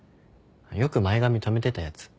よく前髪とめてたやつ。